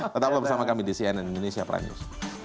tetap bersama kami di cnn indonesia pranjus